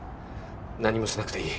何もしなくていい。